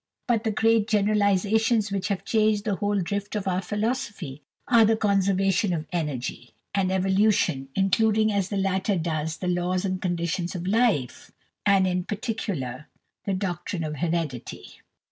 But the great generalizations which have changed the whole drift of our philosophy are the Conservation of Energy, and Evolution, including as the latter does the laws and conditions of life, and in particular the doctrine of Heredity.